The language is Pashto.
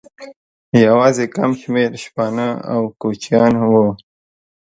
یوازې کم شمېر شپانه او کوچیان وو.